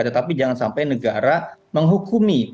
tetapi jangan sampai negara menghukumi